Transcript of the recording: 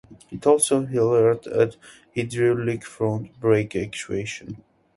It also heralded an hydraulic front brake actuation.